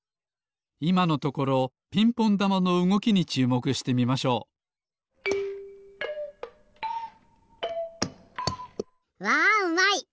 いまのところピンポンだまのうごきにちゅうもくしてみましょうわうまい！